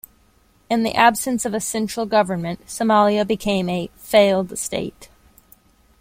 In the absence of a central government, Somalia became a "failed state".